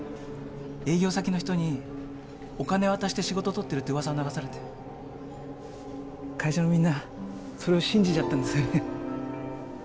営業先の人にお金渡して仕事とってるってうわさを流されて会社のみんなそれを信じちゃったんですよね。